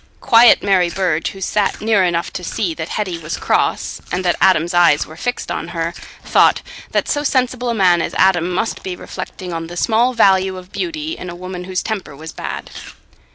Quiet Mary Burge, who sat near enough to see that Hetty was cross and that Adam's eyes were fixed on her, thought that so sensible a man as Adam must be reflecting on the small value of beauty in a woman whose temper was bad.